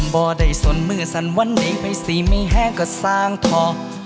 บ่ได้สนมือสั่นวันนี้ไปสิไม่แห้งก็สร้างทอง